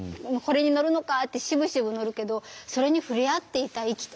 「これに乗るのか」ってしぶしぶ乗るけどそれに触れ合っていたい